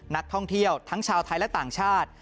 นักท่องเที่ยวทั้งชาวไทยและต่างชาติ